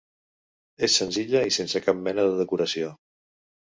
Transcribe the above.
És senzilla i sense cap mena de decoració.